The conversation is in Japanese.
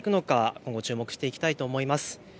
今後、注目していきたいと思います。